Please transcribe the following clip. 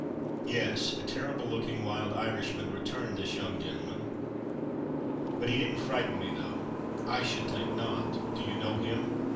"Yes: a terrible looking, wild Irishman," returned this young gentleman: "but he didn't frighten me, though——I should think not! Do you know him?"